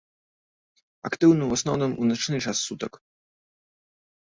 Актыўны ў асноўным у начны час сутак.